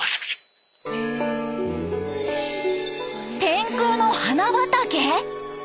天空の花畑？